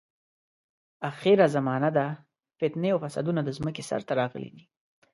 اخره زمانه ده، فتنې او فسادونه د ځمکې سر ته راغلي دي.